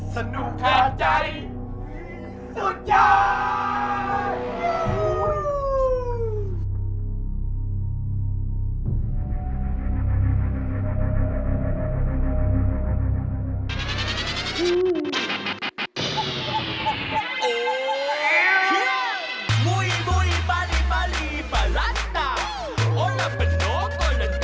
สนุกคาใจสุดยอด